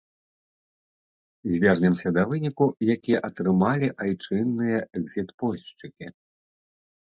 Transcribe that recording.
Звернемся да выніку, які атрымалі айчынныя экзітпольшчыкі.